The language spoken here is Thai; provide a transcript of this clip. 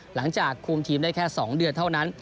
หลังจากคุมทีมได้แค่๒เดือนเท่านั้น